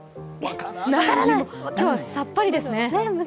今日はさっぱりですね。